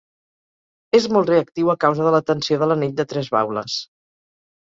És molt reactiu a causa de la tensió de l'anell de tres baules.